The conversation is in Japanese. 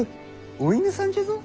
お犬さんじゃぞ。